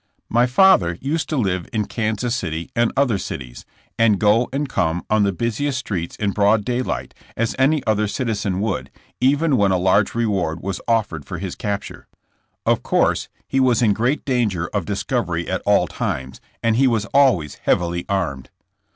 My father used to live in Kansas City and other cities, and go and come on the busiest streets in broad daylight, as any other citizen would, even when a large reward was offered for his capture. Of course he was in great danger of discovery at all times, and he was always heavily armed.